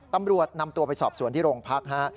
ตำรวจนำตัวไปสอบสวนที่โรงพักฮะ